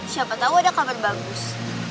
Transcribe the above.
siapa tau ada kabar bagus